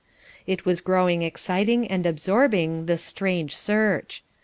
It was growing exciting and absorbing, this strange search.